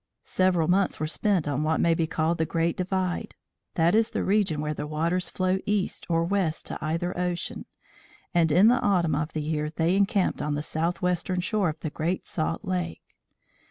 Several months were spent on what may be called the Great Divide that is the region where the waters flow east or west to either ocean, and in the autumn of the year they encamped on the southwestern shore of the Great Salt Lake.